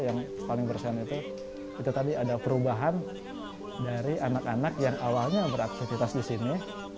yang paling bersan itu itu tadi ada perubahan dari anak anak yang awalnya beraktivitas di sini